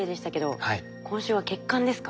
今週は血管ですか。